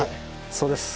そうです。